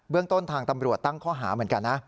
เรื่องต้นทางตำรวจตั้งข้อหาเหมือนกันนะ